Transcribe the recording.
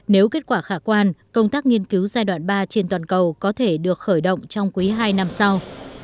nếu kết quả khả quan công tác nghiên cứu giai đoạn ba trên toàn cầu có thể được khởi động trong quý hai năm sau